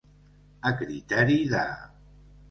A criteri de.